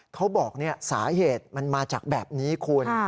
เขาบอกสาเหตุมันมาจากแบบนี้คุณ